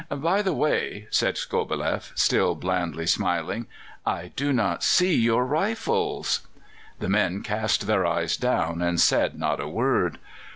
"By the way," said Skobeleff, still blandly smiling, "I do not see your rifles!" The men cast their eyes down and said not a word.